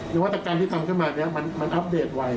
แต่ว่าแต่การที่ทำขึ้นมาเนี่ยมันอัพเดทไว้